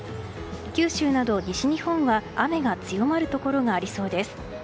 九州など西日本は雨が強まるところがありそうです。